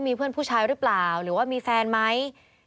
มีเพื่อนผู้ชายหรือเปล่าหรือว่ามีแฟนไหม